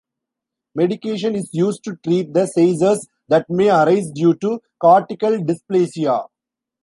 Medication is used to treat the seizures that may arise due to cortical dysplasia.